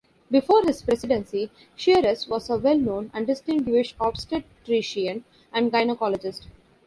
Before his presidency, Sheares was a well known and distinguished obstetrician and gynaecologist.